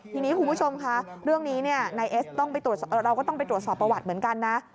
ทีนี้คุณผู้ชมค่ะเรื่องนี้นายเอสเราก็ต้องไปตรวจสอบประวัติเหมือนกันนะ